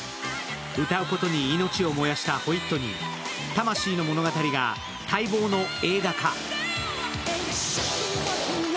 歌うことに命を燃やしたホイットニー、魂の物語が待望の映画化。